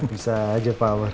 bisa aja pak amar